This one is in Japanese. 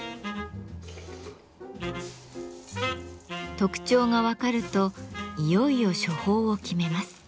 特徴が分かるといよいよ処方を決めます。